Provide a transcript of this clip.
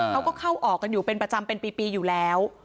เขาก็เข้าออกกันอยู่เป็นประจำเป็นปีอยู่แล้ว